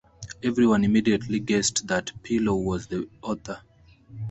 Everyone immediately guessed that Pillow was the author.